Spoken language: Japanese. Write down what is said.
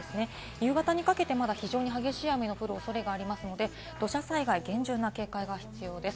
夕方にかけてまだ非常に激しい雨の降るおそれがありますので、土砂災害厳重な警戒が必要です。